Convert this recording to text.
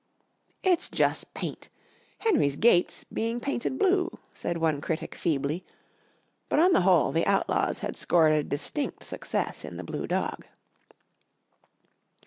"It's jus' paint. Henry's gate's being painted blue," said one critic feebly, but on the whole the Outlaws had scored a distinct success in the blue dog.